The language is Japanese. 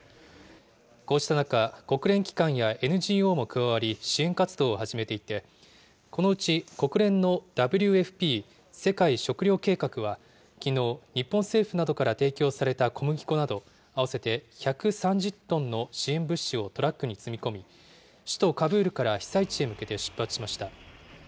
こうした中、国連機関やＮＧＯも加わり、支援活動を始めていて、このうち国連のＷＦＰ・世界食糧計画は、きのう、日本政府などから提供された小麦粉など、合わせて１３０トンの支援物資をトラックに積み込み、首都カブールから被災地へ向けて出発しました。